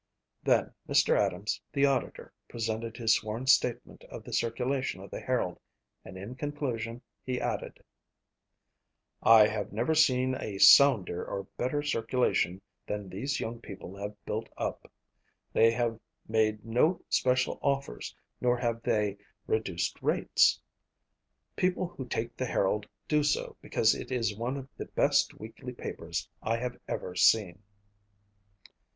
Then Mr. Adams, the auditor, presented his sworn statement of the circulation of the Herald and in conclusion, he added: "I have never seen a sounder or better circulation than these young people have built up. They have made no special offers nor have they reduced rates. People who take the Herald do so because it is one of the best weekly papers I have ever seen."